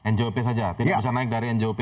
njop saja tidak bisa naik dari njop